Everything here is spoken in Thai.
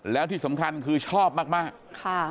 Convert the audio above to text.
แล้วที่สำคัญคือชอบมาก